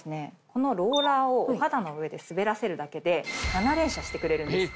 このローラーをお肌の上で滑らせるだけで７連射してくれるんです。